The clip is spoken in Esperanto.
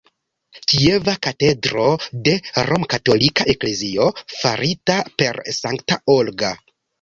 Kieva katedro de Romkatolika Eklezio, farita per Sankta Olga.